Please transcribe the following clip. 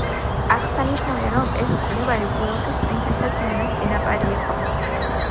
აღსანიშნავია, რომ ეს მკვლევარი უელსის პრინცესა დაიანას წინაპარი იყო.